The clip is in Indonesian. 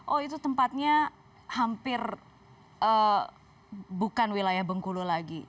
oh itu tempatnya hampir bukan wilayah bengkulu lagi